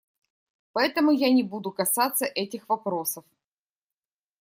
Поэтому я не буду касаться этих вопросов.